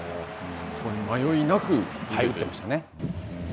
本当に迷いなく打っていましたね。